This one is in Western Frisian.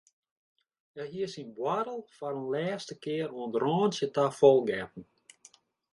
Hja hie syn buorrel foar in lêste kear oan it rântsje ta fol getten.